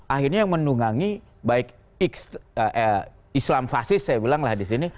akhirnya yang menunggangi baik islam fasis saya bilang lah di sini